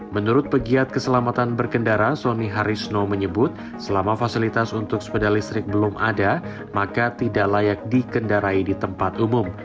menurut pegiat keselamatan berkendara sonny harisno menyebut selama fasilitas untuk sepeda listrik belum ada maka tidak layak dikendarai di tempat umum